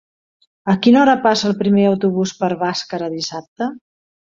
A quina hora passa el primer autobús per Bàscara dissabte?